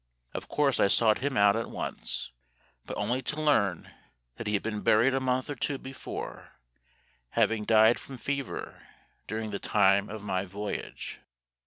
Of course I sought him out at once, but only to learn that he had been buried a month or two before, having died from fever during the time of my voyage.